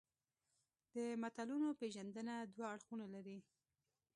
د متلونو پېژندنه دوه اړخونه لري